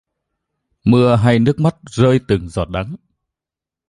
Mưa hay nước mắt rơi từng giọt đắng